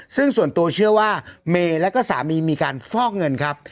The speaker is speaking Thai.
ซึ่งส่วนตัวเชื่อว่าเมย์แล้วก็สามีมีการฟอกเงินครับ